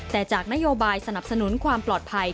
แต่จากนโยบายสนับสนุนความปลอดภัย